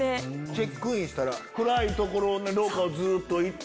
チェックインしたら暗い廊下をずっと行って。